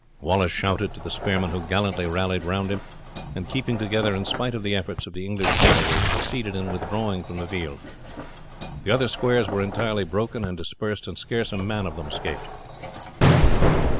Wallace shouted to the spearmen, who gallantly rallied round him, and, keeping together in spite of the efforts of the English cavalry, succeeded in withdrawing from the field. The other squares were entirely broken and dispersed, and scarce a man of them escaped.